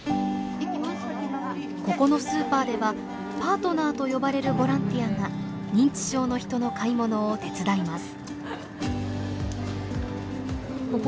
ここのスーパーではパートナーと呼ばれるボランティアが認知症の人の買い物を手伝います。